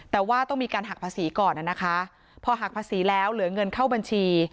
แต่ว่าต้องมีการหักภาษีก่อนนะคะพอหักภาษีแล้วเหลือเงินเข้าบัญชี